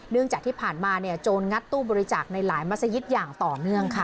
จากที่ผ่านมาเนี่ยโจรงัดตู้บริจาคในหลายมัศยิตอย่างต่อเนื่องค่ะ